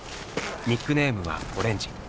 ニックネームは「オレンジ」。